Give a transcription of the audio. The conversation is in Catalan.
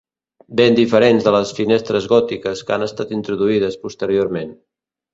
Ben diferents de les finestres gòtiques que han estat introduïdes posteriorment.